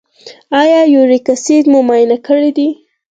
ایا یوریک اسید مو معاینه کړی دی؟